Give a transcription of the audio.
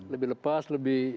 lebih lepas lebih